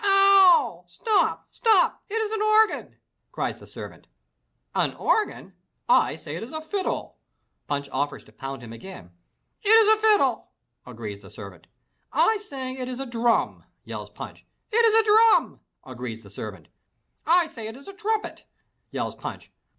"Ow wow! Stop! Stop! It is an organ!" cries the servant. "An organ? ' I say it is a fiddle!" Punch offers to pound him again. "It is a fiddle," agrees the servant. "I say it is a drum," yells Punch. "It is a drum," agrees the servant. "I say it is a trumpet," yells Punch.